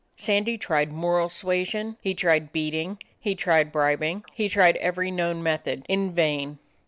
Sandy tried moral suasion, he tried beating, he tried bribing; he tried every known method. In vain.